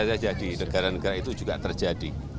ini juga terjadi di negara negara itu juga terjadi